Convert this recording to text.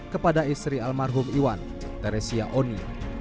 kepada istri almarhum iwan teresia oni